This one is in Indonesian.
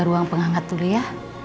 ruang pengangkat dulu ya